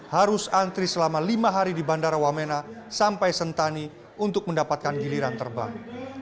harus antri selama lima hari di bandara wamena sampai sentani untuk mendapatkan giliran terbang